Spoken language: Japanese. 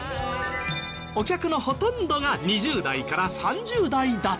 お客のほとんどが２０代から３０代だったとか。